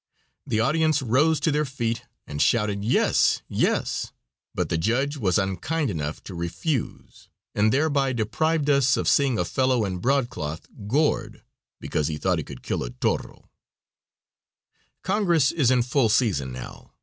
The audience rose to their feet and shouted "Yes, yes," but the judge was unkind enough to refuse, and thereby deprived us of seeing a fellow in broadcloth gored because he thought he could kill a toro. Congress is in full session now.